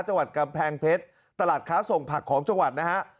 จังหวัดกำแพงเพชรตลาดค้าส่งผักของจังหวัดนะฮะ